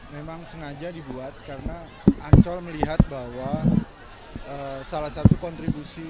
memang sengaja dibuat karena ancol melihat bahwa salah satu kontribusi